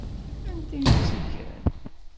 Anta i m-tt-igan?